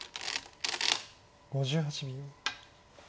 ５８秒。